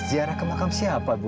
ziarah kemakam siapa bu